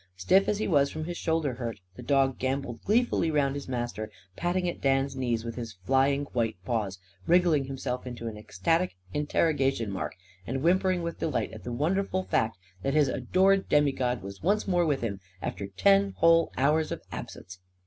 Stiff as he was from his shoulder hurt, the dog gambolled gleefully round his master, patting at Dan's knees with his flying white paws, wriggling himself into an ecstatic interrogation mark, and whimpering with delight at the wonderful fact that his adored demigod was once more with him after ten whole hours of absence.